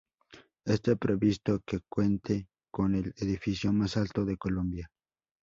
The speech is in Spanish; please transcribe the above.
Esta previsto que cuente con el edificio más alto de Colombia.